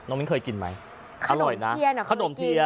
น้องมิ้นเคยกินไหมอร่อยนะขนมเทียนอ่ะเคยกินขนมเทียน